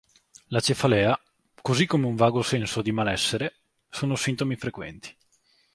La cefalea, così come un vago senso di malessere, sono sintomi frequenti.